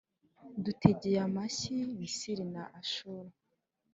Dutegeye amashyi Misiri na Ashuru,